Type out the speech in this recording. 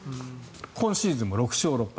今シーズンも６勝６敗。